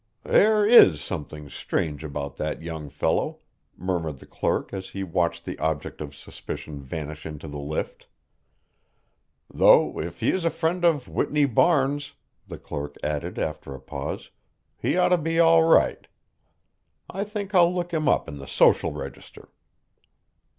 "There is something strange about that young fellow," murmured the clerk as he watched the object of suspicion vanish into the lift. "Though if he is a friend of Whitney Barnes," the clerk added after a pause, "he ought to be all right. I think I'll look him up in the Social Register."